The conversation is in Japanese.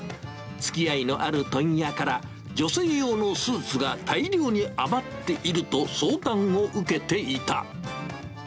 つきあいのある問屋から女性用のスーツが大量に余っていると相談を受けていた。